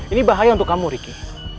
ini bahaya untuk kamu ricky